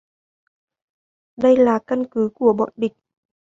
Đây là căn cứ của bọn địch